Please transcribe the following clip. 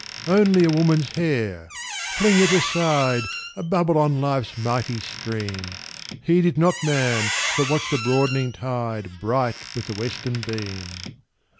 'Only a woman's hair'! Fling it aside! A bubble on Life's mighty stream: Heed it not, man, but watch the broadening tide Bright with the western beam.